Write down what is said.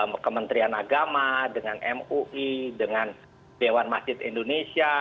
dengan kementerian agama dengan mui dengan dewan masjid indonesia